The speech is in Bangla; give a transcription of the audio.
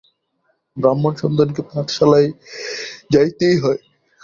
ব্রাহ্মণ সন্তানকে পাঠশালায় যাইতেই হয়।